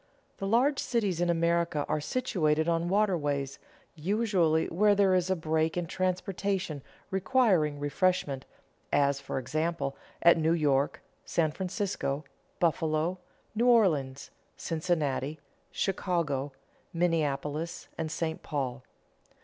The large cities in America are situated on waterways, usually where there is a break in transportation requiring reshipment, as, for example, at New York, San Francisco, Buffalo, New Orleans, Cincinnati, Chicago, Minneapolis, and St. Paul.